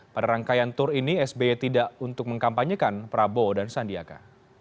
pada rangkaian tur ini sby tidak untuk mengkampanyekan prabowo dan sandiaka